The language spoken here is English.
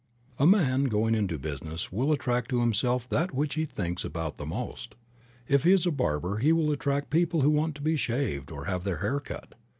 A man going into business will attract to himself that which he thinks about the most. If he is a barber he will attract people who want to be shaved or have their hair cut.